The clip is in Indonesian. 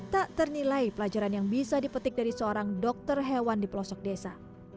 tak ternilai pelajaran yang bisa dipetik dari seorang dokter hewan di pelosok desa